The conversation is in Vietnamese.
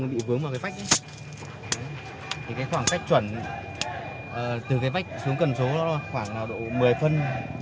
bị vướng vào cái vách thì cái khoảng cách chuẩn từ cái vách xuống cần số nó khoảng là độ một mươi phân